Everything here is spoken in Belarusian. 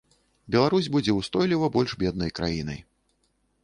Беларусь будзе устойліва больш беднай краінай.